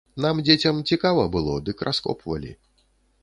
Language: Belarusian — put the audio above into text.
Нам, дзецям, цікава было, дык раскопвалі.